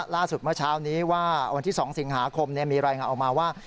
เมื่อเช้านี้ว่าวันที่๒สิงหาคมมีรายงานออกมาว่า